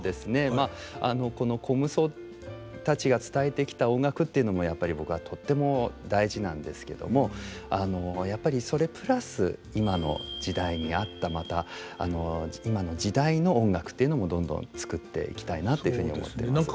まあこの虚無僧たちが伝えてきた音楽っていうのもやっぱり僕はとっても大事なんですけどもやっぱりそれプラス今の時代に合ったまた今の時代の音楽というのもどんどん作っていきたいなっていうふうに思ってます。